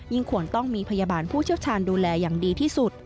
ควรต้องมีพยาบาลผู้เชี่ยวชาญดูแลอย่างดีที่สุด